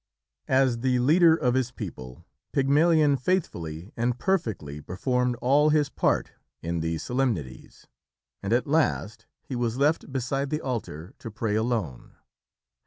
As the leader of his people, Pygmalion faithfully and perfectly performed all his part in the solemnities and at last he was left beside the altar to pray alone.